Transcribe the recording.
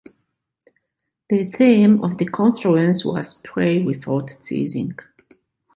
The theme of the conference was "Pray without Ceasing".